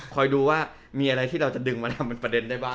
ดูว่ามีอะไรที่เราจะดึงมาทำเป็นประเด็นได้บ้าง